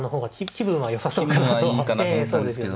気分はいいかなと思ったんですけど。